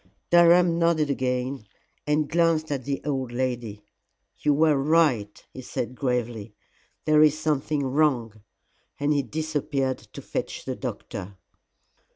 Durham nodded again and glanced at the old lady. "You were right," he said gravely, "there is something wrong," and he disappeared to fetch the doctor.